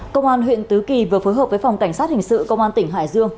công an huyện tứ kỳ vừa phối hợp với phòng cảnh sát hình sự công an tỉnh hải dương